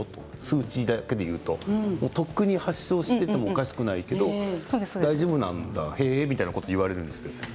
数値だけでいうと特に発症してもおかしくないけれど大丈夫なんだ、へえと言われるんです。